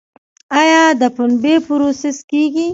آیا د پنبې پروسس کیږي؟